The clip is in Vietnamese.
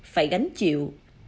phải gánh chịu